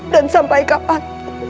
dan sampai kapan